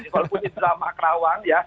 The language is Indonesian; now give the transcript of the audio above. walaupun ini drama kerawang